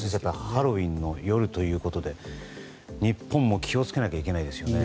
ハロウィーンの夜ということで日本も気を付けなければいけませんね。